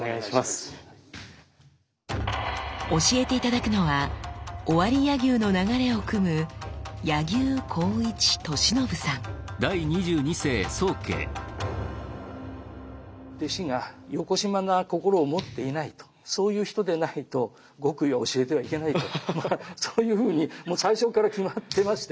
教えて頂くのは尾張柳生の流れをくむ弟子がよこしまな心を持っていないとそういう人でないと極意を教えてはいけないとまあそういうふうにもう最初から決まってまして。